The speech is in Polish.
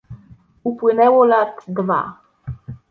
"Upłynęło lat dwa."